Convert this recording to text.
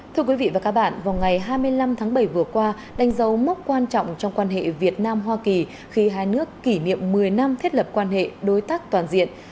thưa quý vị và các bạn vào ngày hai mươi năm tháng bảy vừa qua đánh dấu mốc quan trọng trong quan hệ việt nam hoa kỳ khi hai nước kỷ niệm một mươi năm thiết lập quan hệ đối tác toàn diện